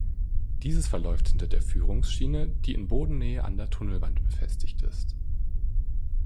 Dieses verläuft hinter der Führungsschiene, die in Bodennähe an der Tunnelwand befestigt ist.